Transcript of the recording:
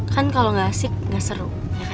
kan kalo gak asik gak seru